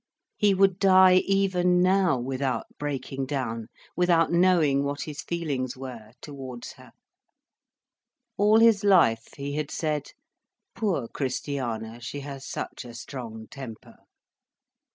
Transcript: He would die even now without breaking down, without knowing what his feelings were, towards her. All his life, he had said: "Poor Christiana, she has such a strong temper."